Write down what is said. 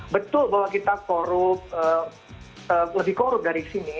betul bahwa kita korup lebih korup dari sini